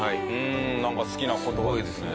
なんか好きな言葉ですね。